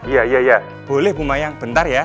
iya iya iya boleh bumayang bentar ya